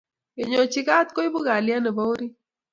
kenyochi kat koipu kalyet nebo orit